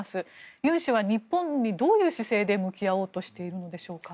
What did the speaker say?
ユン氏は日本にどういう姿勢で向き合おうとしているのでしょうか。